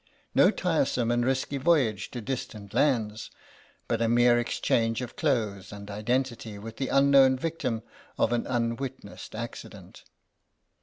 No tiresome and risky voyage to distant lands, but a mere exchange of clothes and identity with the unknown victim of an unwitnessed accident.